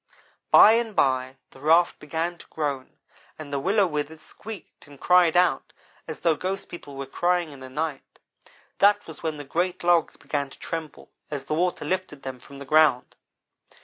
"By and by the raft began to groan, and the willow withes squeaked and cried out as though ghost people were crying in the night. That was when the great logs began to tremble as the water lifted them from the ground.